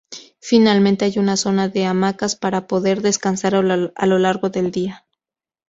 Finalmente, hay una zona de hamacas para poder descansar a lo largo del día.